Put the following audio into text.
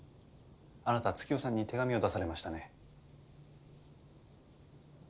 あなたは月代さんに手紙を出されましたね？